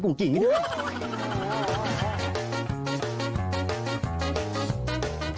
โอ้ย